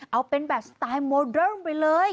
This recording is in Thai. เอาเป็นแบบสไตล์โมเดิร์นไปเลย